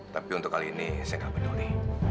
tapi untuk kali ini saya tidak peduli